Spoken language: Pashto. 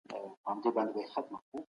هم باغوان هم به